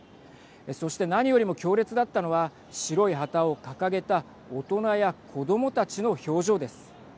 そして何よりも強烈だったのは白い旗を掲げた大人や子どもたちの表情です。